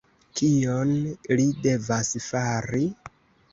Kion li devas fari?